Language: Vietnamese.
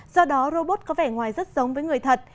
do đó robot có vẻ ngoài rất giống với người thật